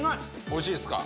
おいしいですか？